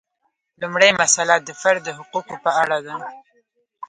لومړۍ مسئله د فرد د حقوقو په اړه ده.